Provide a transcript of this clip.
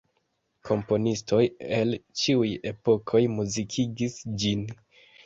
Komponistoj el ĉiuj epokoj muzikigis ĝin.